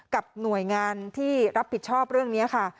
กับหน่วยงานที่รับผิดชอบเรื่องนี้ค่ะ